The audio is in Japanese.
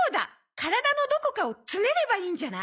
体のどこかをつねればいいんじゃない？